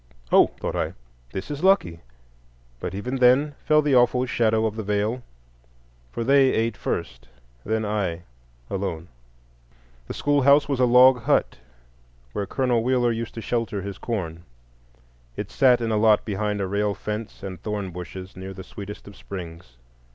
"Oh," thought I, "this is lucky"; but even then fell the awful shadow of the Veil, for they ate first, then I—alone. The schoolhouse was a log hut, where Colonel Wheeler used to shelter his corn. It sat in a lot behind a rail fence and thorn bushes, near the sweetest of springs.